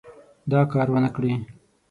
دا کار ونه کړي.